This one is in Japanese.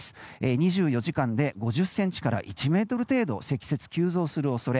２４時間で５０ｃｍから１ｍ程度積雪、急増する恐れ。